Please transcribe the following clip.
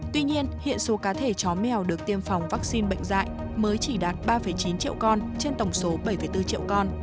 tuy nhiên hiện số cá thể chó mèo được tiêm phòng vaccine bệnh dạy mới chỉ đạt ba chín triệu con trên tổng số bảy bốn triệu con